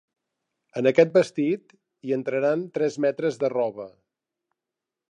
En aquest vestit, hi entraran tres metres de roba.